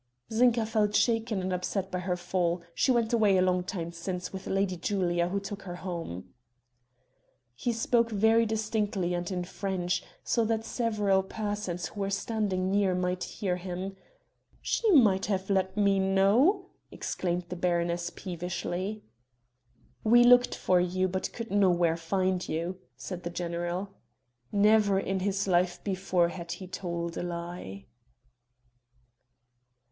"Zinka felt shaken and upset by her fall she went away a long time since, with Lady Julia who took her home." He spoke very distinctly and in French, so that several persons who were standing near might hear him. "She might have let me know," exclaimed the baroness peevishly. "We looked for you, but could nowhere find you," said the general. Never in his life before had he told a lie.